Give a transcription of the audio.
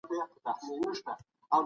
دوی يو له بل سره اختلاف لري.